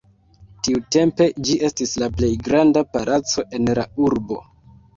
Tiutempe ĝi estis la plej granda palaco en la urbo.